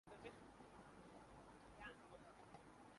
یقین رکھتا ہوں کے ہم جرائم پیشہ لوگوں کا ضرورت سے زیادہ لحاظ کرتے ہیں